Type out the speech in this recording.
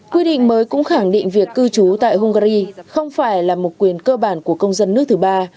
quy định mới cũng khẳng định việc cư trú tại hungary không phải là một quyền cơ bản của công dân nước thứ ba